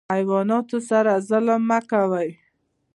حیواناتو سره ظلم مه کوئ